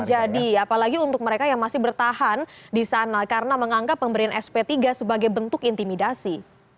apalagi untuk mereka yang masih bertahan di sana karena menganggap pemberian sp tiga sebagai bentuk intimidasi